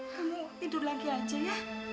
kamu tidur lagi aja ya